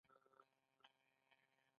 په تخصص کې ایرو ډینامیک شامل دی.